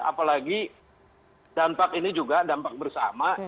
apalagi dampak ini juga dampak bersama